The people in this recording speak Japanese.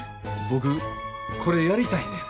僕これやりたいねん。